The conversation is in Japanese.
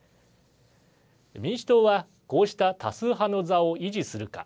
民主党は、こうした多数派の座を維持するか。